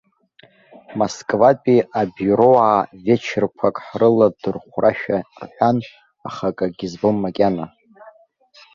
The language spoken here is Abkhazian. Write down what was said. Москватәи абиуроаа вечерқәак ҳрыладырхәрашәа рҳәан, аха акгьы збом макьана.